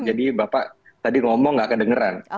jadi bapak tadi ngomong nggak kedengeran